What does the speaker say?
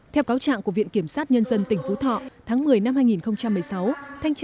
theo cáo trạng của viện kiểm sát nhân dân tỉnh phú thọ tháng một mươi năm hai nghìn một mươi sáu